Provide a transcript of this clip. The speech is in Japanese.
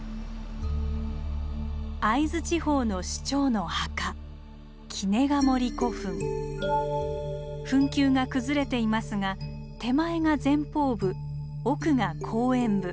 会津地方の首長の墓墳丘が崩れていますが手前が前方部奥が後円部。